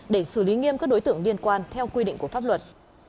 để xử lý nghiêm các đối tượng liên quan theo quy định của pháp luật